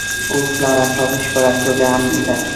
اوس لاره په بشپړه توګه امن ده.